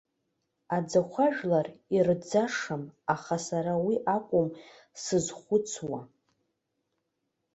Аӡахәа ажәла ирӡшам, аха сара уи акәым сзызхәыцуа.